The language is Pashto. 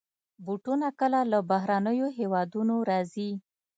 بوټونه کله له بهرنيو هېوادونو راځي.